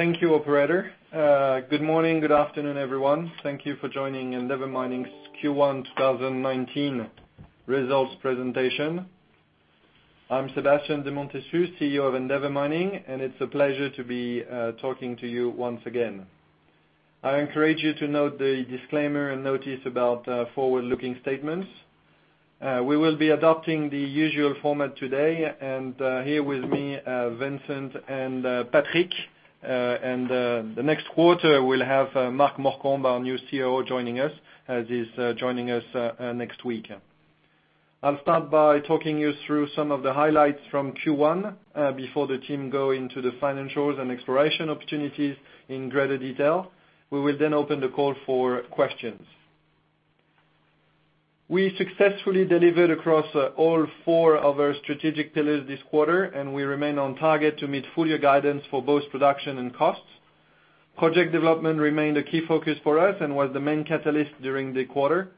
Thank you, operator. Good morning, good afternoon, everyone. Thank you for joining Endeavour Mining's Q1 2019 results presentation. I'm Sébastien de Montessus, CEO of Endeavour Mining, and it's a pleasure to be talking to you once again. I encourage you to note the disclaimer and notice about forward-looking statements. We will be adopting the usual format today, and here with me, Vincent and Patrick. The next quarter, we'll have Mark Morcombe, our new COO, joining us, as he's joining us next week. I'll start by talking you through some of the highlights from Q1, before the team go into the financials and exploration opportunities in greater detail. We will then open the call for questions. We successfully delivered across all four of our strategic pillars this quarter, and we remain on target to meet full-year guidance for both production and costs. Project development remained a key focus for us and was the main catalyst during the quarter.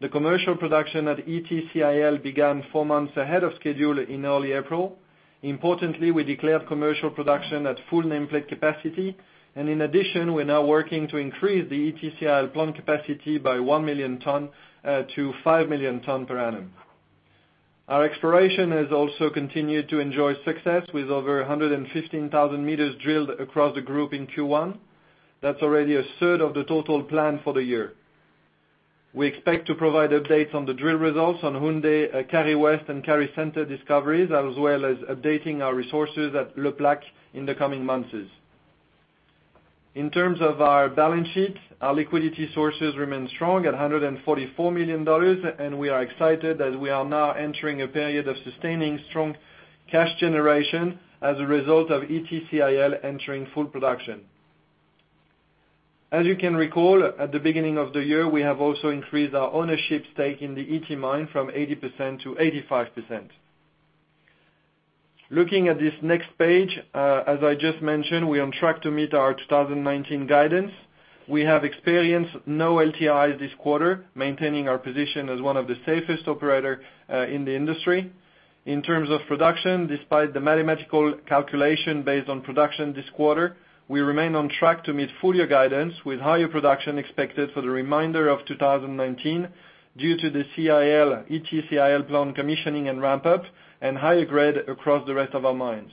The commercial production at Ity CIL began four months ahead of schedule in early April. Importantly, we declared commercial production at full nameplate capacity, and in addition, we're now working to increase the Ity CIL plant capacity by 1 million ton to 5 million ton per annum. Our exploration has also continued to enjoy success with over 115,000 meters drilled across the group in Q1. That's already a third of the total plan for the year. We expect to provide updates on the drill results on Houndé, Kari West, and Kari Center discoveries, as well as updating our resources at Le Plaque in the coming months. In terms of our balance sheet, our liquidity sources remain strong at $144 million, and we are excited as we are now entering a period of sustaining strong cash generation as a result of Ity CIL entering full production. As you can recall, at the beginning of the year, we have also increased our ownership stake in the Ity mine from 80% to 85%. Looking at this next page, as I just mentioned, we're on track to meet our 2019 guidance. We have experienced no LTIs this quarter, maintaining our position as one of the safest operator in the industry. In terms of production, despite the mathematical calculation based on production this quarter, we remain on track to meet full-year guidance, with higher production expected for the remainder of 2019, due to the CIL, Ity CIL plant commissioning and ramp-up, and higher grade across the rest of our mines.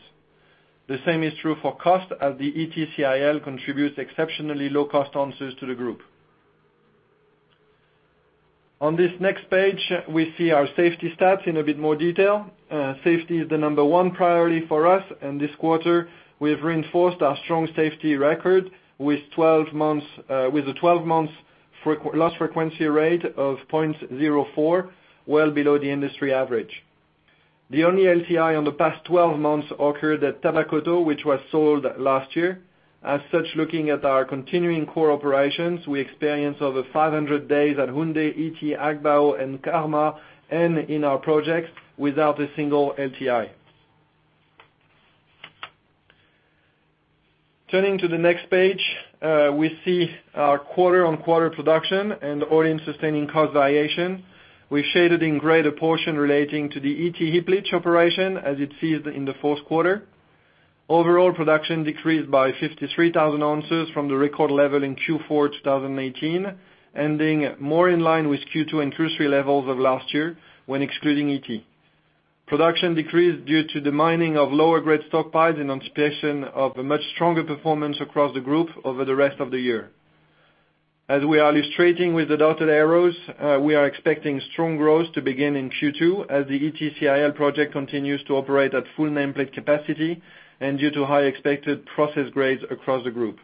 The same is true for cost, as the Ity CIL contributes exceptionally low cost ounces to the group. On this next page, we see our safety stats in a bit more detail. Safety is the number one priority for us, and this quarter, we have reinforced our strong safety record with a 12 months loss frequency rate of 0.04, well below the industry average. The only LTI on the past 12 months occurred at Tabakoto, which was sold last year. As such, looking at our continuing core operations, we experience over 500 days at Houndé, Ity, Agbaou, and Karma and in our projects without a single LTI. Turning to the next page, we see our quarter-on-quarter production and all-in sustaining cost variation. We shaded in gray the portion relating to the Ity heap leach operation as it ceased in the fourth quarter. Overall production decreased by 53,000 ounces from the record level in Q4 2018, ending more in line with Q2 and Q3 levels of last year when excluding Ity. Production decreased due to the mining of lower grade stockpiles in anticipation of a much stronger performance across the group over the rest of the year. As we are illustrating with the dotted arrows, we are expecting strong growth to begin in Q2 as the Ity CIL project continues to operate at full nameplate capacity, and due to high expected process grades across the group.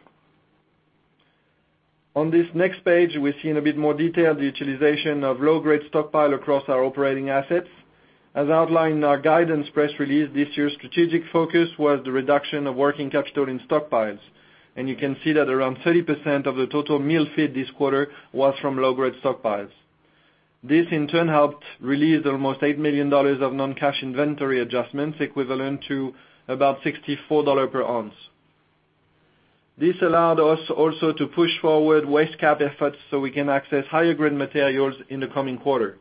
On this next page, we see in a bit more detail the utilization of low-grade stockpile across our operating assets. As outlined in our guidance press release, this year's strategic focus was the reduction of working capital in stockpiles. You can see that around 30% of the total mill feed this quarter was from low-grade stockpiles. This, in turn, helped release almost $8 million of non-cash inventory adjustments, equivalent to about $64 per ounce. This allowed us also to push forward waste CapEx efforts so we can access higher grade materials in the coming quarter.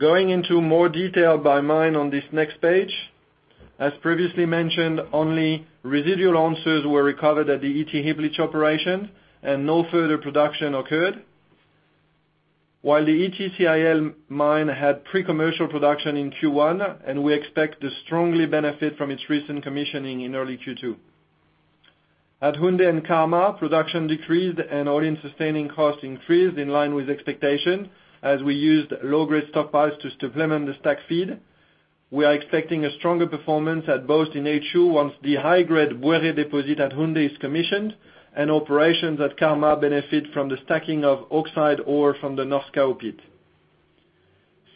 Going into more detail by mine on this next page. As previously mentioned, only residual ounces were recovered at the Ity heap leach operation, and no further production occurred. While the Ity CIL mine had pre-commercial production in Q1, and we expect to strongly benefit from its recent commissioning in early Q2. At Houndé and Karma, production decreased and all-in sustaining costs increased in line with expectation as we used low-grade stockpiles to supplement the stack feed. We are expecting a stronger performance at both in H2 once the high-grade Bouéré deposit at Houndé is commissioned and operations at Karma benefit from the stacking of oxide ore from the North Kao pit.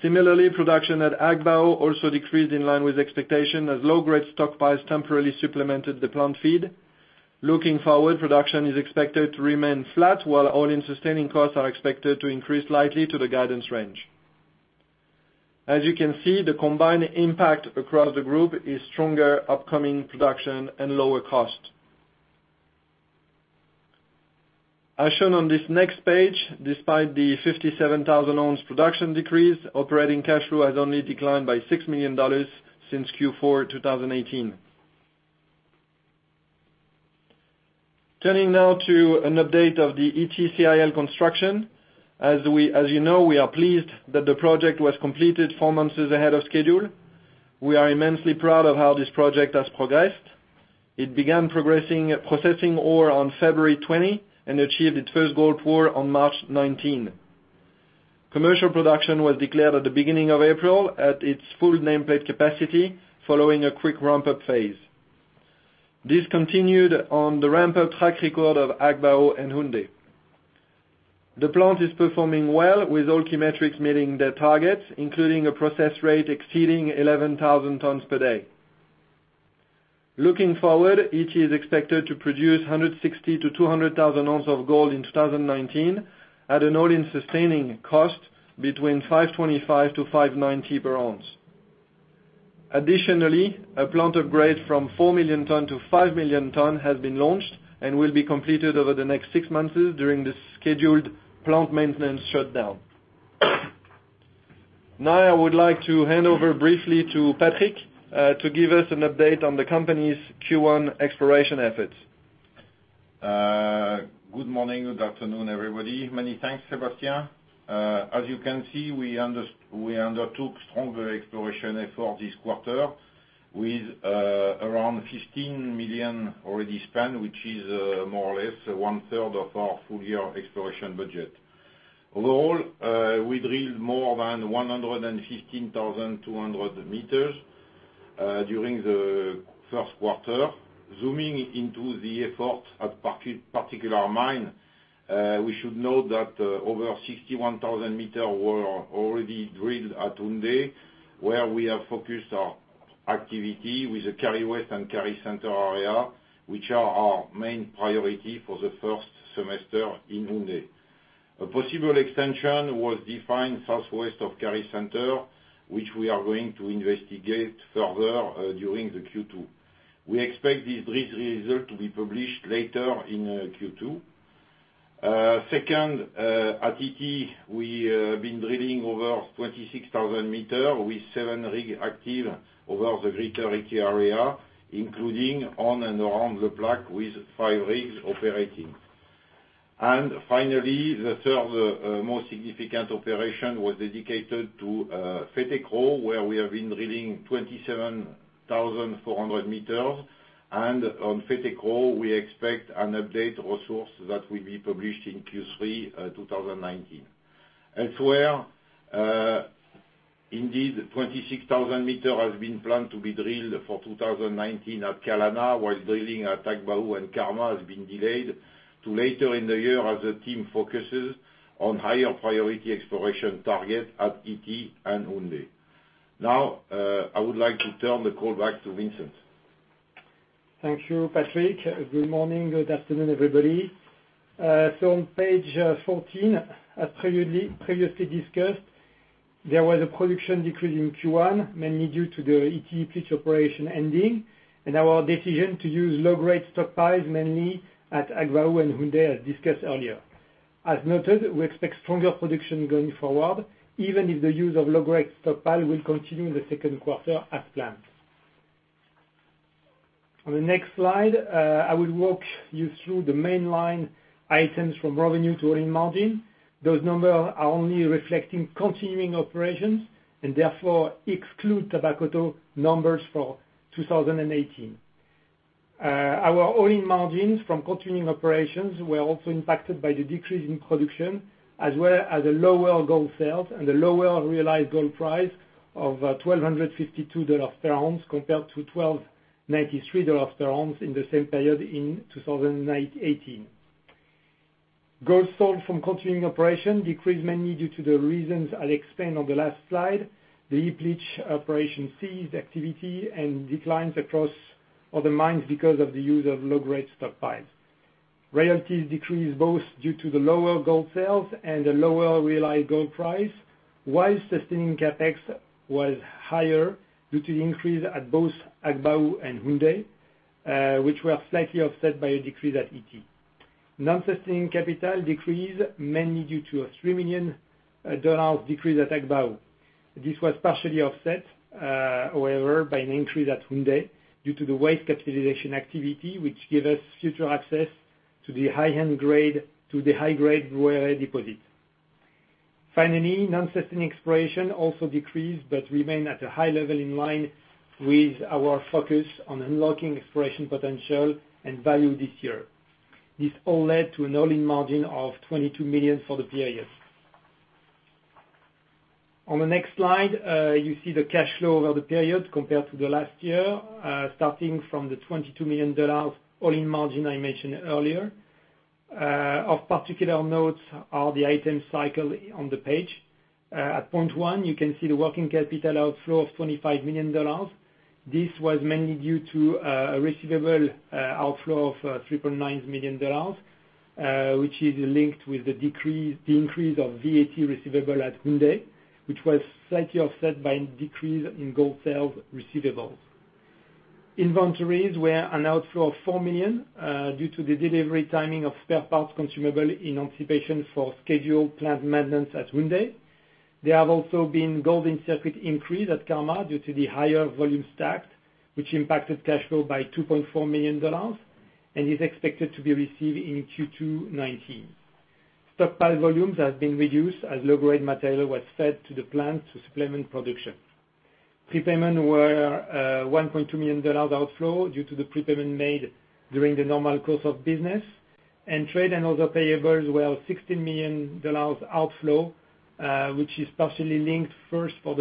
Similarly, production at Agbaou also decreased in line with expectation as low-grade stockpiles temporarily supplemented the plant feed. Looking forward, production is expected to remain flat, while all-in sustaining costs are expected to increase slightly to the guidance range. As you can see, the combined impact across the group is stronger upcoming production and lower cost. As shown on this next page, despite the 57,000 ounce production decrease, operating cash flow has only declined by $6 million since Q4 2018. Turning now to an update of the Ity CIL construction. As you know, we are pleased that the project was completed four months ahead of schedule. We are immensely proud of how this project has progressed. It began processing ore on February 20 and achieved its first gold ore on March 19. Commercial production was declared at the beginning of April at its full nameplate capacity following a quick ramp-up phase. This continued on the ramp-up track record of Agbaou and Houndé. The plant is performing well, with all key metrics meeting their targets, including a process rate exceeding 11,000 tons per day. Looking forward, Ity is expected to produce 160,000 to 200,000 ounces of gold in 2019 at an all-in sustaining cost between $525-$590 per ounce. Additionally, a plant upgrade from 4 million tons to 5 million tons has been launched and will be completed over the next six months during the scheduled plant maintenance shutdown. I would like to hand over briefly to Patrick to give us an update on the company's Q1 exploration efforts. Good morning, good afternoon, everybody. Many thanks, Sébastien. As you can see, we undertook stronger exploration effort this quarter with around $15 million already spent, which is more or less one-third of our full-year exploration budget. Overall, we drilled more than 115,200 meters during the first quarter. Zooming into the effort at particular mine, we should note that over 61,000 meters were already drilled at Houndé, where we have focused our activity with the Kari West and Kari Center area, which are our main priority for the first semester in Houndé. A possible extension was defined southwest of Kari Center, which we are going to investigate further during the Q2. We expect this drill result to be published later in Q2. Second, at Ity, we have been drilling over 26,000 meters with seven rigs active over the greater Ity area, including on and around the block with five rigs operating. Finally, the third most significant operation was dedicated to Fetekro, where we have been drilling 27,400 meters, and on Fetekro we expect an update resource that will be published in Q3 2019. Elsewhere, indeed, 26,000 meters has been planned to be drilled for 2019 at Kalana, while drilling at Agbaou and Karma has been delayed to later in the year as the team focuses on higher priority exploration target at Ity and Houndé. I would like to turn the call back to Vincent. Thank you, Patrick. Good morning, good afternoon, everybody. On page 14, as previously discussed, there was a production decrease in Q1, mainly due to the Ity heap leach operation ending and our decision to use low-grade stockpiles mainly at Agbaou and Houndé, as discussed earlier. As noted, we expect stronger production going forward, even if the use of low-grade stockpile will continue in the second quarter as planned. On the next slide, I will walk you through the main line items from revenue to all-in margin. Those numbers are only reflecting continuing operations and therefore exclude Tabakoto numbers for 2018. Our all-in margins from continuing operations were also impacted by the decrease in production as well as the lower gold sales and the lower realized gold price of $1,252 per ounce compared to $1,293 per ounce in the same period in 2018. Gold sold from continuing operation decreased mainly due to the reasons I explained on the last slide, the heap leach operation ceased activity and declines across other mines because of the use of low-grade stockpiles. Royalties decreased both due to the lower gold sales and the lower realized gold price, while sustaining CapEx was higher due to the increase at both Agbaou and Houndé, which were slightly offset by a decrease at Ity. Non-sustaining capital decreased mainly due to a $3 million decrease at Agbaou. This was partially offset, however, by an increase at Houndé due to the waste capitalization activity, which give us future access to the high grade Bouéré deposit. Non-sustaining exploration also decreased but remained at a high level in line with our focus on unlocking exploration potential and value this year. This all led to an all-in margin of $22 million for the period. On the next slide, you see the cash flow over the period compared to the last year, starting from the $22 million all-in margin I mentioned earlier. Of particular note are the items circled on the page. At point 1, you can see the working capital outflow of $25 million. This was mainly due to a receivable outflow of $3.9 million, which is linked with the increase of VAT receivable at Houndé, which was slightly offset by a decrease in gold sales receivables. Inventories were an outflow of $4 million due to the delivery timing of spare parts consumable in anticipation for scheduled plant maintenance at Houndé. There have also been gold in circuit increase at Karma due to the higher volume stacked, which impacted cash flow by $2.4 million and is expected to be received in Q2 2019. Stockpile volumes have been reduced as low-grade material was fed to the plant to supplement production. Prepayment were $1.2 million outflow due to the prepayment made during the normal course of business, trade and other payables were $16 million outflow, which is partially linked first with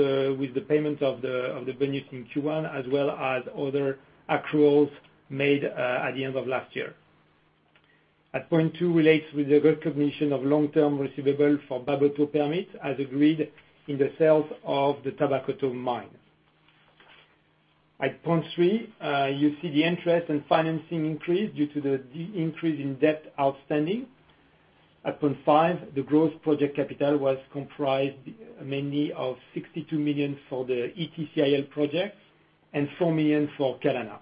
the payment of the in Q1, as well as other accruals made at the end of last year. At point 2 relates with the recognition of long-term receivable for Baboto permit as agreed in the sales of the Tabakoto mine. At point 3, you see the interest in financing increase due to the increase in debt outstanding. At point 5, the growth project capital was comprised mainly of $62 million for the Ity CIL projects and $4 million for Kalana.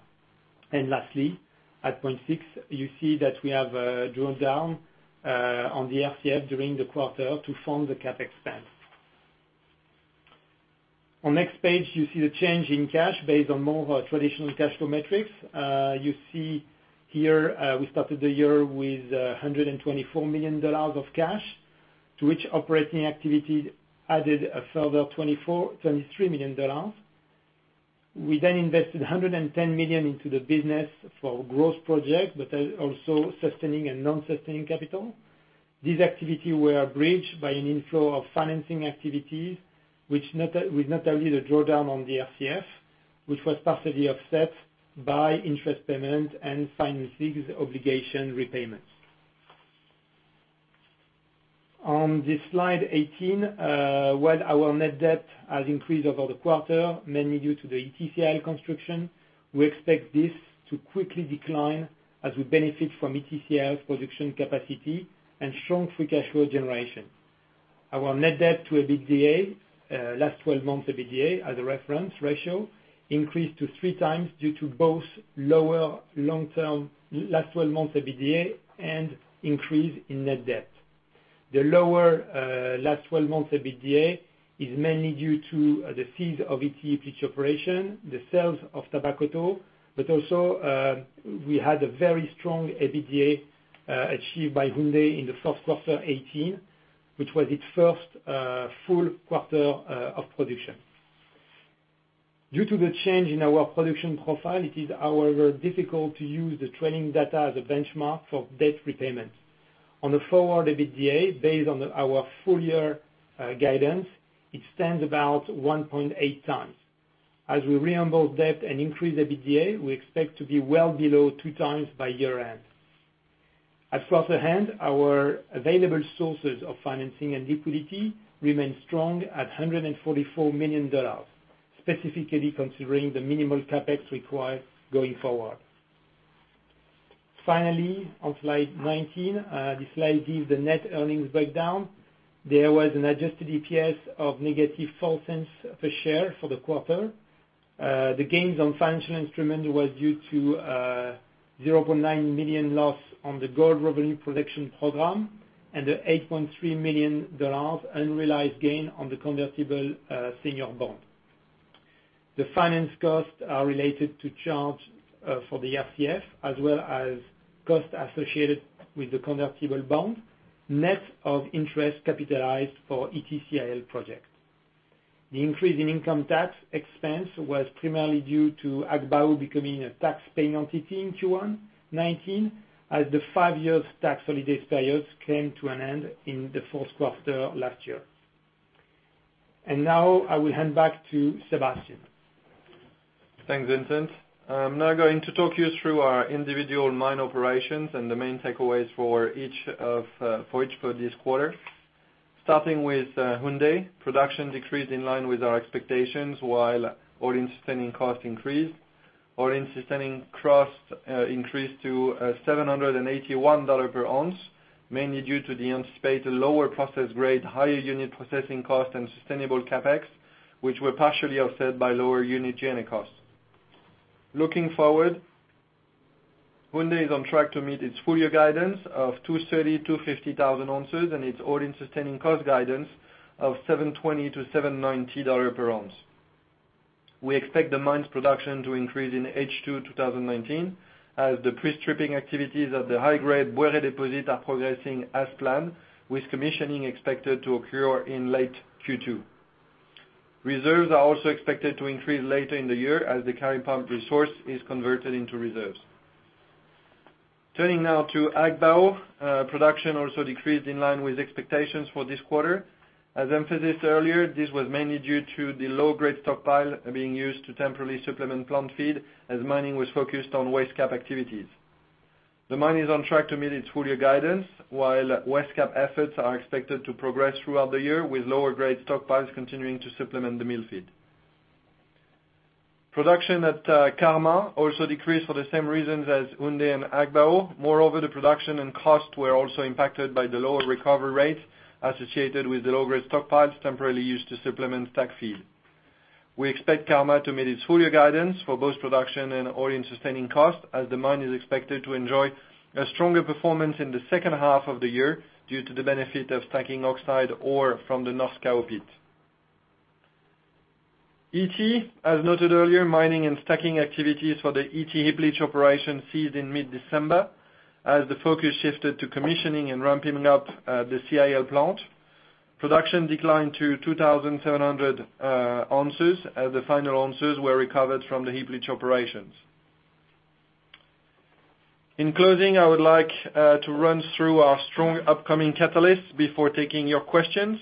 Lastly, at point 6, you see that we have drawn down on the RCF during the quarter to fund the CapEx spends. On next page, you see the change in cash based on more traditional cash flow metrics. You see here, we started the year with $124 million of cash, to which operating activity added a further $23 million. We then invested $110 million into the business for growth projects, but also sustaining and non-sustaining capital. These activity were bridged by an inflow of financing activities, with not only the drawdown on the RCF, which was partially offset by interest payment and financings obligation repayments. On slide 18, while our net debt has increased over the quarter, mainly due to the Ity CIL construction, we expect this to quickly decline as we benefit from Ity CIL's production capacity and strong free cash flow generation. Our net debt to EBITDA, last 12 months EBITDA as a reference ratio, increased to 3 times due to both lower last 12 months EBITDA and increase in net debt. The lower last 12 months EBITDA is mainly due to the cease of Ity heap leach operation, the sales of Tabakoto, but also we had a very strong EBITDA achieved by Houndé in the first quarter 2018, which was its first full quarter of production. Due to the change in our production profile, it is, however, difficult to use the trailing data as a benchmark for debt repayment. On the forward EBITDA, based on our full-year guidance, it stands about 1.8 times. As we rebalance debt and increase EBITDA, we expect to be well below 2 times by year-end. At quarter-end, our available sources of financing and liquidity remain strong at $144 million, specifically considering the minimal CapEx required going forward. Finally, on slide 19, the slide gives the net earnings breakdown. There was an adjusted EPS of negative $0.04 per share for the quarter. The gains on financial instrument was due to a $0.9 million loss on the gold revenue protection program and the $8.3 million unrealized gain on the convertible senior note. The finance costs are related to charge for the RCF as well as costs associated with the convertible bond, net of interest capitalized for Ity CIL project. The increase in income tax expense was primarily due to Agbaou becoming a taxpaying entity in Q1 2019, as the five years tax holiday period came to an end in the fourth quarter last year. Now I will hand back to Sébastien. Thanks, Vincent. I'm now going to talk you through our individual mine operations and the main takeaways for each for this quarter. Starting with Houndé, production decreased in line with our expectations while all-in sustaining cost increased. All-in sustaining cost increased to $781 per ounce, mainly due to the anticipated lower process grade, higher unit processing cost and sustaining CapEx, which were partially offset by lower unit journey costs. Looking forward, Houndé is on track to meet its full-year guidance of 230,000-250,000 ounces and its all-in sustaining cost guidance of $720-$790 per ounce. We expect the mine's production to increase in H2 2019 as the pre-stripping activities of the high-grade Bouéré deposit are progressing as planned, with commissioning expected to occur in late Q2. Reserves are also expected to increase later in the year as the Kari Pump resource is converted into reserves. Turning now to Agbaou, production also decreased in line with expectations for this quarter. As emphasized earlier, this was mainly due to the low-grade stockpile being used to temporarily supplement plant feed as mining was focused on waste strip activities. The mine is on track to meet its full-year guidance, while waste strip efforts are expected to progress throughout the year, with lower grade stockpiles continuing to supplement the mill feed. Production at Karma also decreased for the same reasons as Houndé and Agbaou. The production and cost were also impacted by the lower recovery rate associated with the low-grade stockpiles temporarily used to supplement stack feed. We expect Karma to meet its full-year guidance for both production and all-in sustaining costs, as the mine is expected to enjoy a stronger performance in the second half of the year due to the benefit of stacking oxide ore from the North Kao pit. Ity, as noted earlier, mining and stacking activities for the Ity heap leach operation ceased in mid-December, as the focus shifted to commissioning and ramping up the CIL plant. Production declined to 2,700 ounces as the final ounces were recovered from the heap leach operations. I would like to run through our strong upcoming catalysts before taking your questions.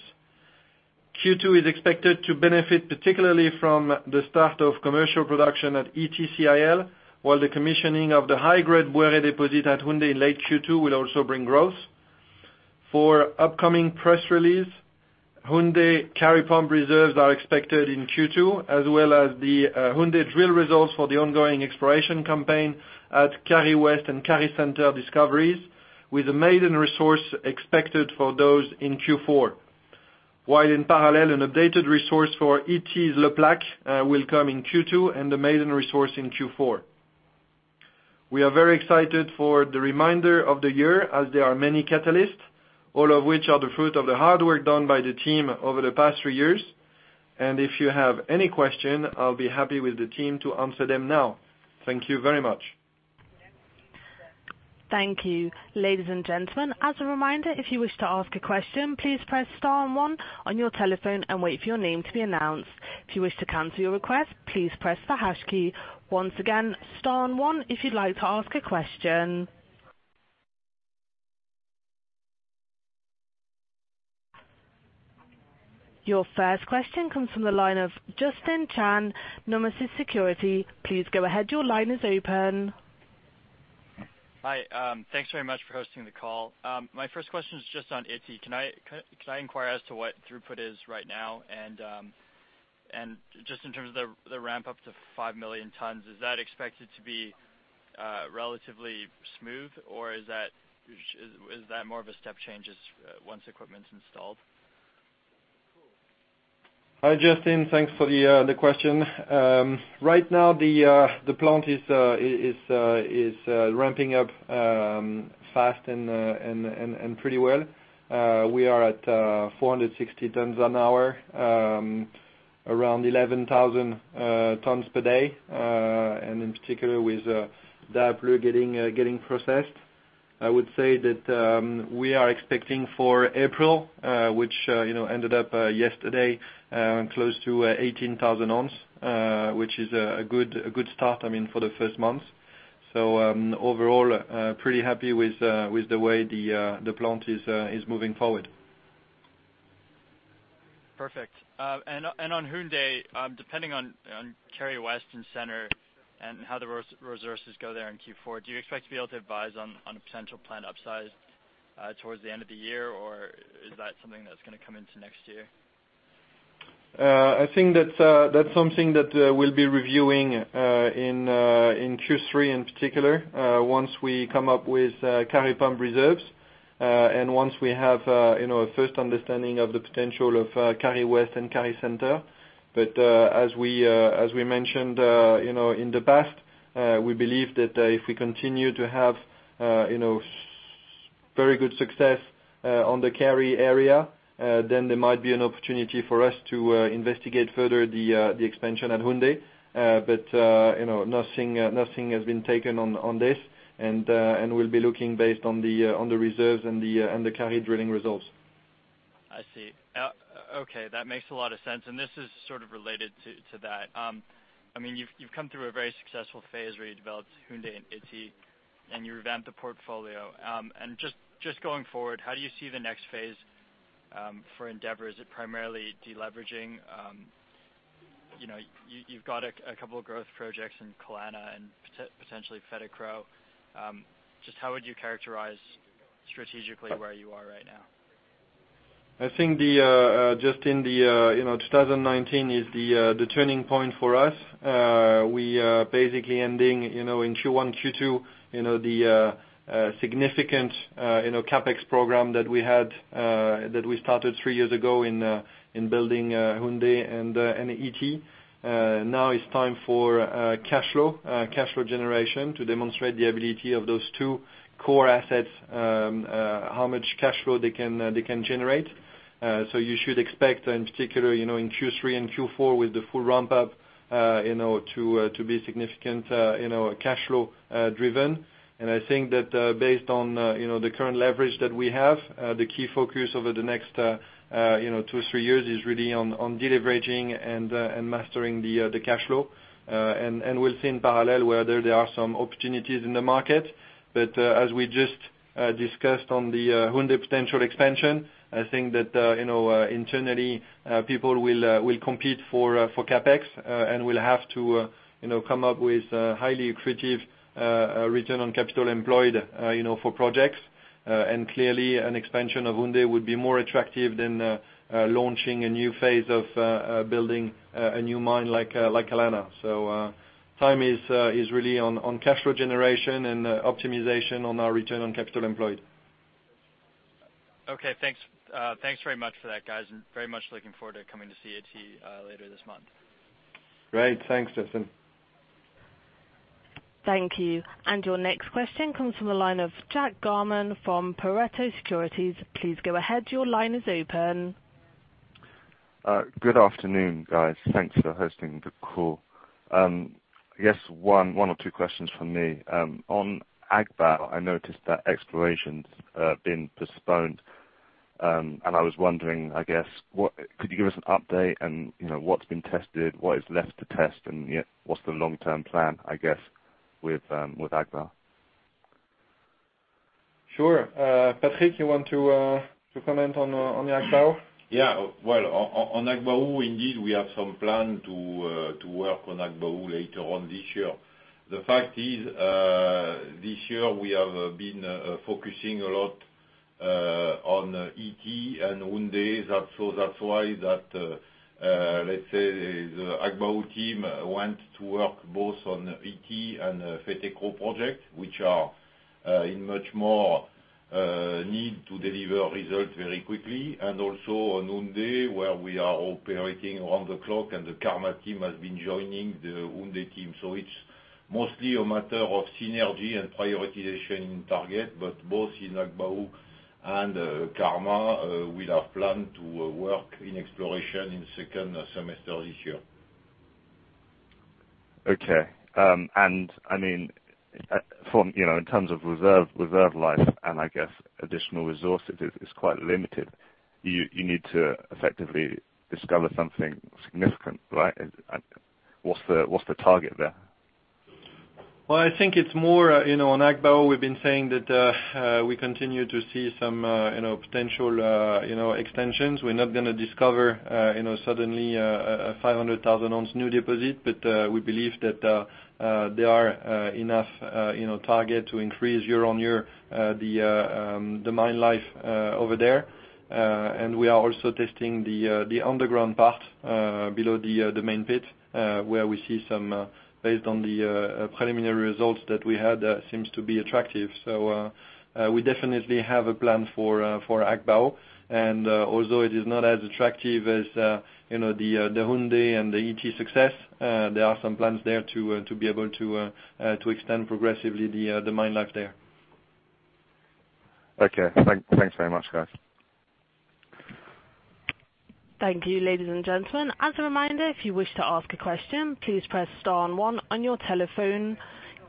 Q2 is expected to benefit particularly from the start of commercial production at Ity CIL, while the commissioning of the high-grade Bouéré deposit at Houndé in late Q2 will also bring growth. For upcoming press release, Houndé Kari Pump reserves are expected in Q2, as well as the Houndé drill results for the ongoing exploration campaign at Kari West and Kari Center discoveries, with a maiden resource expected for those in Q4. While in parallel, an updated resource for Ity's Le Plaque will come in Q2 and the maiden resource in Q4. We are very excited for the remainder of the year as there are many catalysts, all of which are the fruit of the hard work done by the team over the past three years. If you have any questions, I will be happy with the team to answer them now. Thank you very much. Thank you. Ladies and gentlemen, as a reminder, if you wish to ask a question, please press star and one on your telephone and wait for your name to be announced. If you wish to cancel your request, please press the hash key. Once again, star and one if you would like to ask a question. Your first question comes from the line of Justin Chan, Nomura Securities. Please go ahead. Your line is open. Hi. Thanks very much for hosting the call. My first question is just on Ity. Can I inquire as to what throughput is right now? Just in terms of the ramp-up to 5 million tons, is that expected to be relatively smooth, or is that more of a step change once equipment's installed? Hi, Justin. Thanks for the question. Right now, the plant is ramping up fast and pretty well. We are at 460 tons an hour, around 11,000 tons per day, and in particular with Daapleu getting processed. I would say that we are expecting for April, which ended up yesterday, close to 18,000 ounce, which is a good start for the first month. Overall, pretty happy with the way the plant is moving forward. Perfect. On Houndé, depending on Kari West and Center and how the resources go there in Q4, do you expect to be able to advise on a potential plant upsize towards the end of the year, or is that something that's going to come into next year? I think that's something that we'll be reviewing in Q3 in particular, once we come up with Kari Pump reserves, and once we have a first understanding of the potential of Kari West and Kari Center. As we mentioned in the past, we believe that if we continue to have very good success on the Kari area, then there might be an opportunity for us to investigate further the expansion at Houndé. Nothing has been taken on this, and we'll be looking based on the reserves and the Kari drilling results. I see. Okay. That makes a lot of sense. This is sort of related to that. You've come through a very successful phase where you developed Houndé and Ity and you revamped the portfolio. Just going forward, how do you see the next phase for Endeavour? Is it primarily deleveraging? You've got a couple of growth projects in Kalana and potentially Fetekro. Just how would you characterize strategically where you are right now? I think, Justin, 2019 is the turning point for us. We are basically ending in Q1, Q2, the significant CapEx program that we started three years ago in building Houndé and Ity. Now it's time for cash flow generation to demonstrate the ability of those two core assets, how much cash flow they can generate. You should expect in particular, in Q3 and Q4 with the full ramp-up, to be significant cash flow driven. I think that based on the current leverage that we have, the key focus over the next two, three years is really on deleveraging and mastering the cash flow. We'll see in parallel whether there are some opportunities in the market. As we just discussed on the Houndé potential expansion, I think that internally, people will compete for CapEx and will have to come up with highly accretive return on capital employed for projects. Clearly, an expansion of Houndé would be more attractive than launching a new phase of building a new mine like Kalana. Time is really on cash flow generation and optimization on our return on capital employed. Okay. Thanks very much for that, guys. Very much looking forward to coming to CIT later this month. Great. Thanks, Justin. Thank you. Your next question comes from the line of Jock Garman from Pareto Securities. Please go ahead. Your line is open. Good afternoon, guys. Thanks for hosting the call. I guess one or two questions from me. On Agbaou, I noticed that exploration's been postponed. I was wondering, I guess, could you give us an update and what's been tested, what is left to test, and what's the long-term plan, I guess, with Agbaou? Sure. Patrick, you want to comment on the Agbaou? Well, on Agbaou, indeed, we have some plan to work on Agbaou later on this year. The fact is, this year we have been focusing a lot on Ity and Houndé. That's why the Agbaou team want to work both on Ity and Fetekro project, which are in much more need to deliver results very quickly, and also on Houndé, where we are operating around the clock, and the Karma team has been joining the Houndé team. It's mostly a matter of synergy and prioritization in target, but both in Agbaou and Karma, we have planned to work in exploration in the second semester this year. Okay. In terms of reserve life, and I guess additional resources, it's quite limited. You need to effectively discover something significant, right? What's the target there? Well, I think it's more on Agbaou, we've been saying that we continue to see some potential extensions. We're not going to discover suddenly a 500,000 ounce new deposit. We believe that there are enough targets to increase year on year the mine life over there. We are also testing the underground part below the main pit, where we see some, based on the preliminary results that we had, seems to be attractive. We definitely have a plan for Agbaou. Although it is not as attractive as the Houndé and the Ity success, there are some plans there to be able to extend progressively the mine life there. Okay. Thanks very much, guys. Thank you, ladies and gentlemen. As a reminder, if you wish to ask a question, please press star and one on your telephone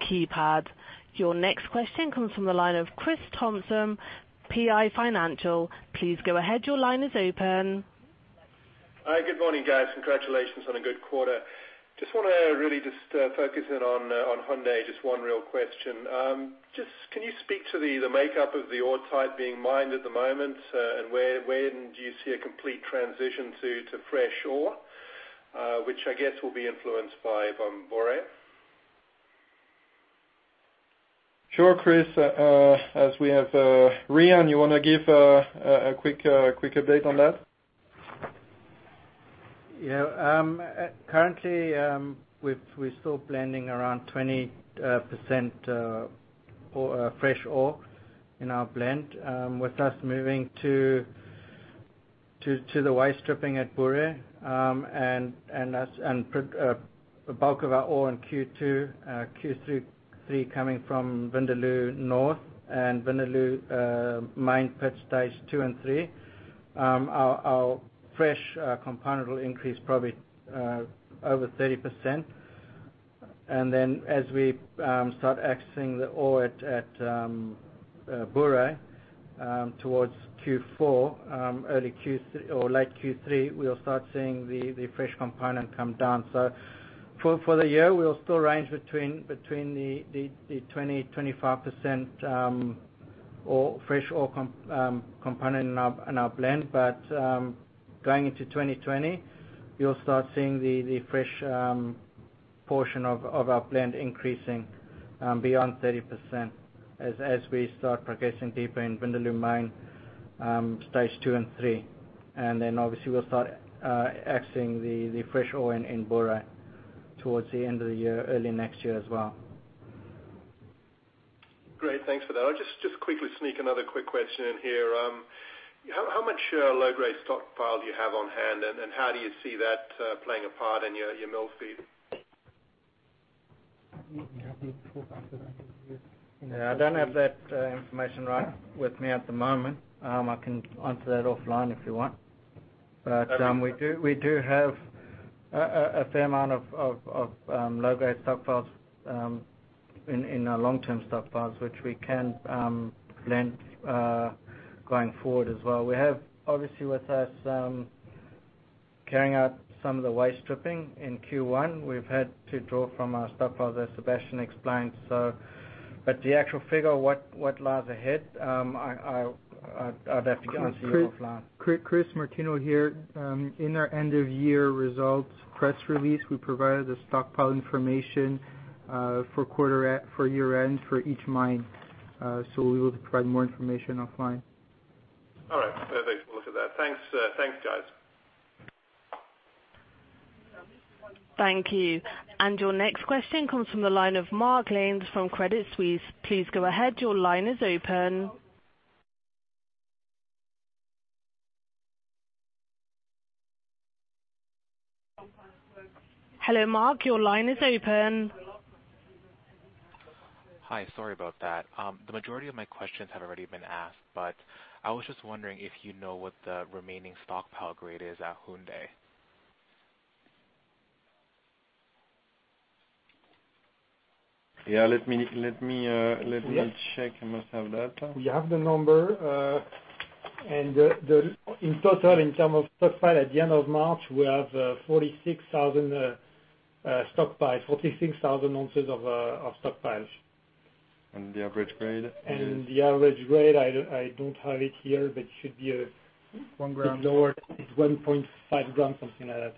keypad. Your next question comes from the line of Chris Thompson, PI Financial. Please go ahead. Your line is open. Hi, good morning, guys. Congratulations on a good quarter. Just want to really just focus in on Houndé. Just one real question. Can you speak to the makeup of the ore type being mined at the moment? When do you see a complete transition to fresh ore, which I guess will be influenced by Bouéré? Sure, Chris. As we have Riaan, you want to give a quick update on that? Yeah. Currently, we're still blending around 20% fresh ore in our blend. With us moving to the waste stripping at Bouéré, the bulk of our ore in Q2, Q3 coming from Vindaloo North and Vindaloo mine pit stage 2 and 3, our fresh component will increase probably over 30%. As we start accessing the ore at Bouéré towards Q4, early or late Q3, we'll start seeing the fresh component come down. For the year, we'll still range between the 20%-25% fresh ore component in our blend. Going into 2020, you'll start seeing the fresh portion of our blend increasing beyond 30% as we start progressing deeper in Vindaloo mine stage 2 and 3. Obviously, we'll start accessing the fresh ore in Bouéré towards the end of the year, early next year as well. Great. Thanks for that. I'll just quickly sneak another quick question in here. How much low-grade stockpile do you have on hand, and how do you see that playing a part in your mill feed? I don't have that information right with me at the moment. I can answer that offline if you want. We do have a fair amount of low-grade stockpiles in our long-term stockpiles, which we can blend going forward as well. We have, obviously, with us carrying out some of the waste stripping in Q1. We've had to draw from our stockpile, as Sébastien explained. The actual figure, what lies ahead, I'd have to get to you offline. Chris, Martino here. In our end of year results press release, we provided the stockpile information for year-end for each mine. We will provide more information offline. All right. Perfect. I will look at that. Thanks, guys. Thank you. Your next question comes from the line of Mark Lanes from Credit Suisse. Please go ahead. Your line is open. Hello Mark, your line is open. Hi. Sorry about that. The majority of my questions have already been asked. I was just wondering if you know what the remaining stockpile grade is at Houndé? Yeah. Let me check. I must have that. We have the number. In total, in terms of stockpile, at the end of March, we have 46,000 stockpiles, 46,000 ounces of stockpiles. The average grade is? The average grade, I don't have it here. One gram A bit lower, it's 1.5 gram, something like that.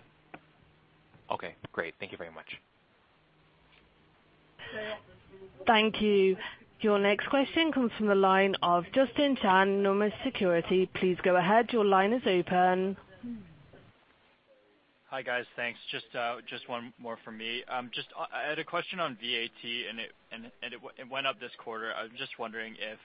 Okay, great. Thank you very much. Thank you. Your next question comes from the line of Justin Chan, Nomura Securities. Please go ahead. Your line is open. Hi, guys. Thanks. Just one more from me. I had a question on VAT and it went up this quarter. I was just wondering if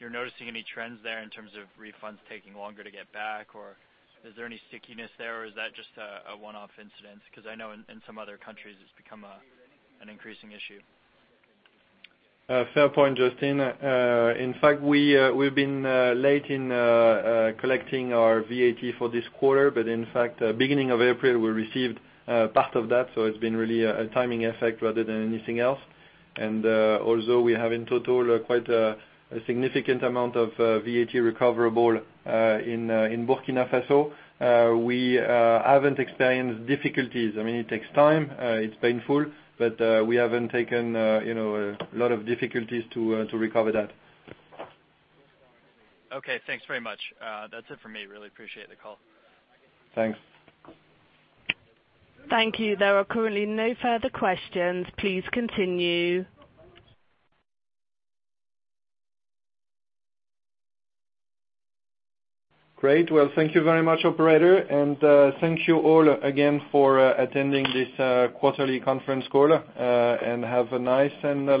you're noticing any trends there in terms of refunds taking longer to get back, or is there any stickiness there, or is that just a one-off incident? Because I know in some other countries it's become an increasing issue. Fair point, Justin. In fact, we've been late in collecting our VAT for this quarter. In fact, beginning of April we received part of that, so it's been really a timing effect rather than anything else. Also we have, in total, quite a significant amount of VAT recoverable in Burkina Faso. We haven't experienced difficulties. It takes time, it's painful, but we haven't taken a lot of difficulties to recover that. Okay, thanks very much. That's it for me. Really appreciate the call. Thanks. Thank you. There are currently no further questions. Please continue. Great. Well, thank you very much, operator. Thank you all again for attending this quarterly conference call. Have a nice and lovely day.